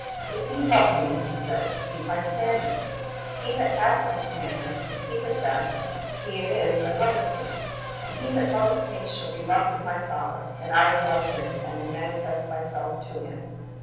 "If ye love Me," He says, "keep My .commandments. He that hath My commandments, and keepeth them, he it is that loveth Me. And he that loveth Me shall be loved of My Father, and I will love him, and will manifest Myself to him.